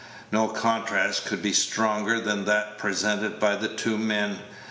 No contrast could be stronger than that presented by the two men.